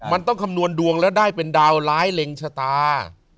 มันต้องคำนวณดวงแล้วได้เป็นดาวร้ายเล็งชะตา